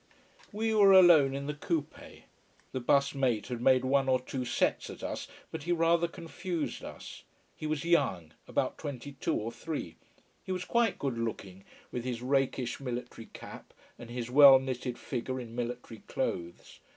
We were alone in the coupé. The bus mate had made one or two sets at us, but he rather confused us. He was young about twenty two or three. He was quite good looking, with his rakish military cap and his well knitted figure in military clothes.